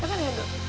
betul ya do